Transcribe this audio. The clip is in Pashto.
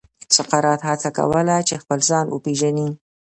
سقراط هڅه کوله چې خپل ځان وپېژني.